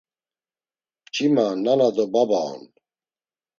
Mç̌ima nana do baba on.